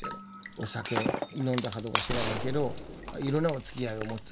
お酒飲んだかどうか知らないけどいろんなおつきあいを持つ。